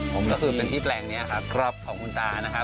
ผมก็คือเป็นที่แปลงนี้ครับของคุณตานะครับ